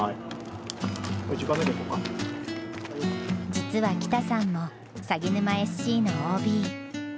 実は、北さんもさぎぬまＳＣのＯＢ。